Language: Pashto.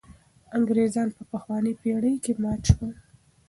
انګرېزان په پخوانۍ پېړۍ کې مات شول.